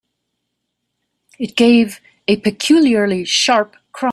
It gave a peculiarly sharp cry.